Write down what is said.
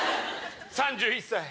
３１歳。